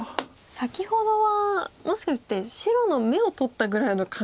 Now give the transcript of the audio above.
先ほどはもしかして白の眼を取ったぐらいの感覚でしたか。